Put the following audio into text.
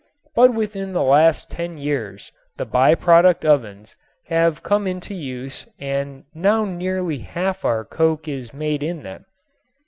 But within the last ten years the by product ovens have come into use and now nearly half our coke is made in them.